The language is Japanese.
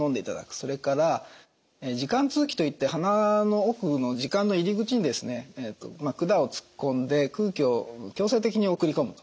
それから耳管通気といって鼻の奥の耳管の入り口に管を突っ込んで空気を強制的に送り込むと。